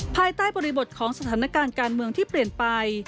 ภายใต้บริบทของสถานการณ์การเมืองที่เปลี่ยนไป